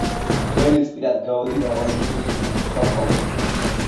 ველის პირად გავედი დაღონებულ იქით აქეთ თვალს ვავლებდი.